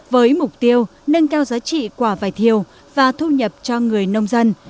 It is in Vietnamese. với mục tiêu nâng cao giá trị quả vải thiều và thu nhập cho người nông dân